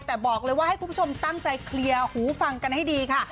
แต่บอกเลยว่าให้คุณผู้ชมตั้งใจเคลียร์หูฟังกันให้ดีค่ะ